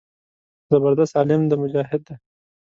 زبردست عالم دى مجاهد دى.